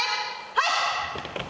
はい！